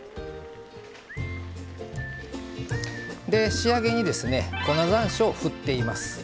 仕上げに粉ざんしょうを振っています。